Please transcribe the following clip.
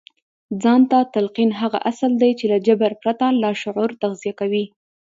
ځان ته تلقين هغه اصل دی چې له جبر پرته لاشعور تغذيه کوي.